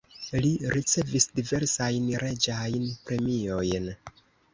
Li ricevis diversajn reĝajn premiojn.